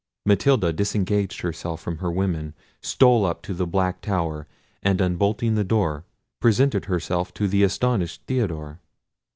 Matilda disengaged herself from her women, stole up to the black tower, and unbolting the door, presented herself to the astonished Theodore.